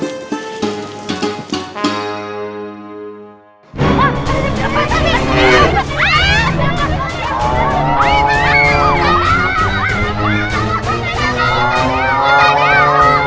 wah ada di depan tadi